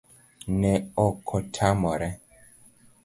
Ne okotamore